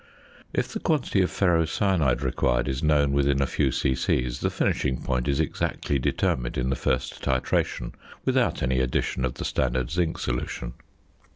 If the quantity of ferrocyanide required is known within a few c.c., the finishing point is exactly determined in the first titration without any addition of the standard zinc solution.